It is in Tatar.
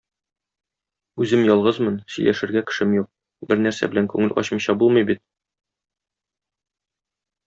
Үзем ялгызмын, сөйләшергә кешем юк, бер нәрсә белән күңел ачмыйча булмый бит.